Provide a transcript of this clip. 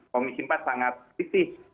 komisi empat sangat fisik